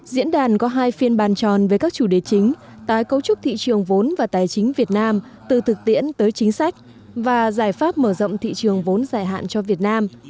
diễn đàn có hai phiên bàn tròn về các chủ đề chính tái cấu trúc thị trường vốn và tài chính việt nam từ thực tiễn tới chính sách và giải pháp mở rộng thị trường vốn dài hạn cho việt nam